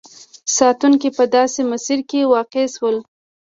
ساتونکي په داسې مسیر کې واقع شول.